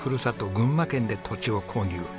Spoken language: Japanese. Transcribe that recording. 群馬県で土地を購入。